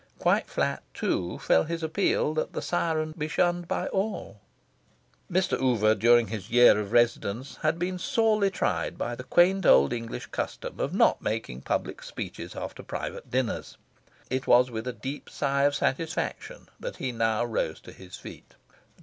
Quite flat, too, fell his appeal that the syren be shunned by all. Mr. Oover, during his year of residence, had been sorely tried by the quaint old English custom of not making public speeches after private dinners. It was with a deep sigh of satisfaction that he now rose to his feet.